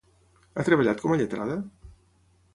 Ha treballat com a lletrada?